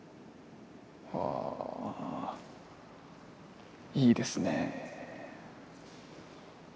あいいですね。